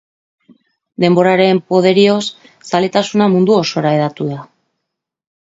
Denboraren poderioz, zaletasuna mundu osora hedatu da.